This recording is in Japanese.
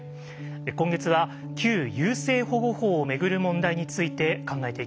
今月は旧優生保護法を巡る問題について考えていきます。